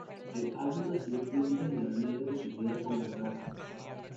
El álbum recibió críticas generalmente positivas, con Kerrang!